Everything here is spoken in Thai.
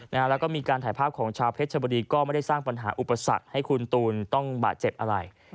แล้วก็มีการถ่ายภาพของชาวเพชรชบุรีก็ไม่ได้สร้างปัญหาอุปสรรคให้คุณตูนต้องบาดเจ็บอะไร